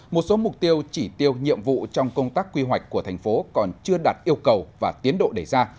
một số mục tiêu chỉ tiêu nhiệm vụ trong công tác quy hoạch của thành phố còn chưa đặt yêu cầu và tiến độ đề ra